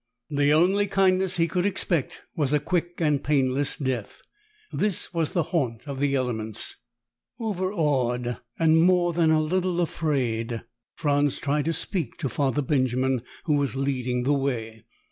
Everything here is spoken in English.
The only kindness he could expect was a quick and painless death. This was the haunt of the elements. Overawed and more than a little afraid, Franz tried to speak to Father Benjamin, who was leading the way.